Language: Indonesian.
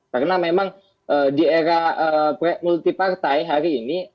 karena memang di era multi partai hari ini